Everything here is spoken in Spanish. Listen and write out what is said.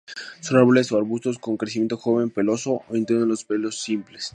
Son árboles o arbustos; con crecimiento joven peloso o tomentoso, los pelos simples.